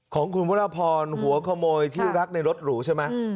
ของคุณวรพรหัวขโมยที่รักในรถหรูใช่ไหม